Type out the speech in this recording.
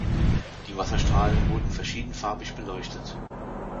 Die Wasserstrahlen wurden verschiedenfarbig beleuchtet.